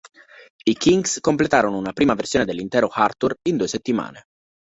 I Kinks completarono una prima versione dell'intero "Arthur" in due settimane.